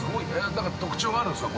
何か特徴があるんですか